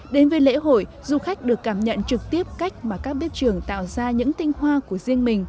đến với lễ hội du khách được cảm nhận trực tiếp cách mà các bếp trưởng tạo ra những tinh hoa của riêng mình